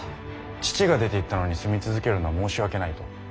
父が出ていったのに住み続けるのは申し訳ないと。